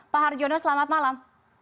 pak harjono selamat malam